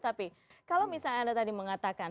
tapi kalau misalnya anda tadi mengatakan